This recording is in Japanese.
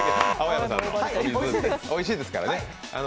おいしいですからね。